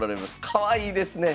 かわいいですね！